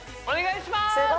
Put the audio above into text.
お願いします！